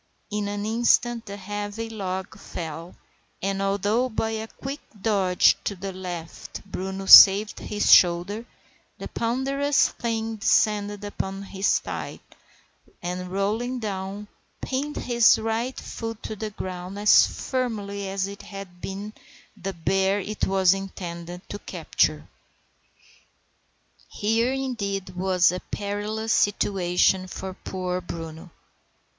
In an instant the heavy log fell, and, although by a quick dodge to the left Bruno saved his shoulder, the ponderous thing descended upon his thigh, and, rolling down, pinned his right foot to the ground as firmly as if he had been the bear it was intended to capture. Here, indeed, was a perilous situation for poor Bruno.